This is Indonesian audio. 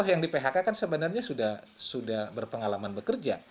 yang di phk kan sebenarnya sudah berpengalaman bekerja